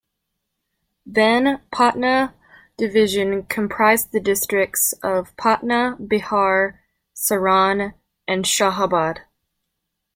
Then Patna division comprised the districts of Patna, Bihar, Saran and Shahabad.